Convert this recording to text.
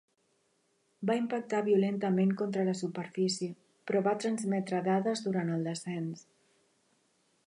Va impactar violentament contra la superfície, però va transmetre dades durant el descens.